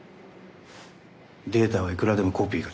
データはいくらでもコピーが作れる。